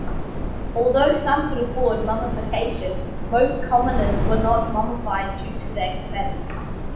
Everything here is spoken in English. Although some could afford mummification, most commoners were not mummified due to the expense.